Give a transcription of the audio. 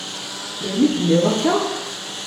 Melmi i d-tenniḍ akka?